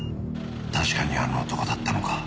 確かにあの男だったのか？